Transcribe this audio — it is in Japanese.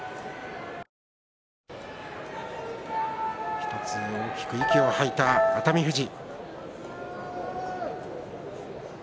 １つ大きく息を吐いた熱海富士。